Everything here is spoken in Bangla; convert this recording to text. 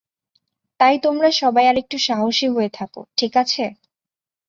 তাই তোমরা সবাই আরেকটু সাহসী হয়ে থাকো, ঠিক আছে?